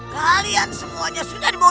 kalian semuanya harus mendapat hukum